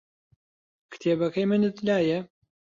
کتێبەکەی منت لایە؟